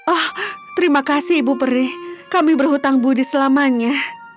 oh terima kasih ibu peri kami berhutang budi selamanya